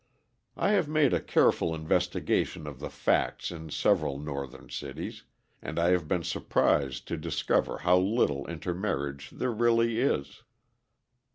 I have made a careful investigation of the facts in several northern cities, and I have been surprised to discover how little intermarriage there really is.